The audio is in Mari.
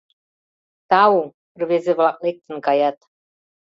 — Тау, — рвезе-влак лектын каят.